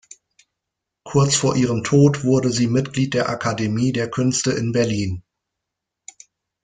Kurz vor ihrem Tod wurde sie Mitglied der Akademie der Künste in Berlin.